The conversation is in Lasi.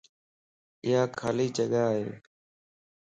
ايا خالي جڳا ائي